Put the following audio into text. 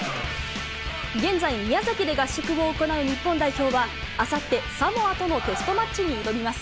現在、宮崎で合宿を行う日本代表は、あさって、サモアとのテストマッチに挑みます。